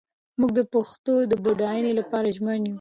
موږ د پښتو د بډاینې لپاره ژمن یو.